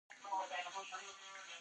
د سړي انګېرنې دي.